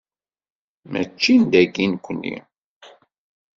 Mačči n dayi nekni.